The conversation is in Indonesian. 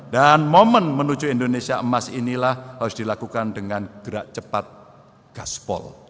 dan momen menuju indonesia emas inilah harus dilakukan dengan gerak cepat gaspol